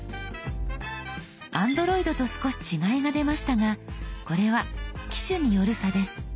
Ａｎｄｒｏｉｄと少し違いが出ましたがこれは機種による差です。